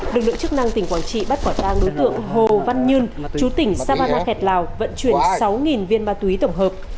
lực lượng chức năng tỉnh quảng trị bắt quả trang đối tượng hồ văn nhân chú tỉnh sabana khẹt lào vận chuyển sáu viên ma túy tổng hợp